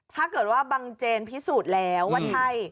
ถ้าเกิดว่าบังเจนพิสูจน์แล้วว่าใช่